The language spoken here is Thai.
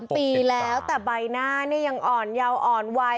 ๓ปีแล้วแต่ใบหน้าเนี่ยยังอ่อนเยาอ่อนไว